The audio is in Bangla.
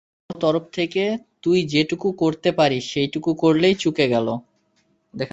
তোর তরফ থেকে তুই যেটুকু করতে পারিস সেইটুকু করলেই চুকে গেল।